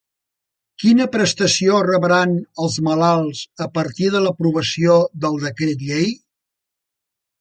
Quina prestació rebran els malalts a partir de l'aprovació del decret llei?